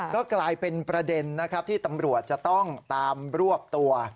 ก็กลายเป็นประเด็นนะครับที่ตำรวจจะต้องตามรวบตัว